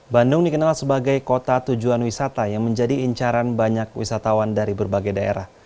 bandung dikenal sebagai kota tujuan wisata yang menjadi incaran banyak wisatawan dari berbagai daerah